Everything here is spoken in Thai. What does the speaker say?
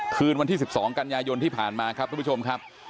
คืนวันที่๑๒กันยายนที่ผ่านมาครับทุกผู้ชมครับ